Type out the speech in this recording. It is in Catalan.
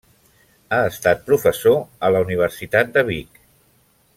Ha estat professor a la Universitat de Vic.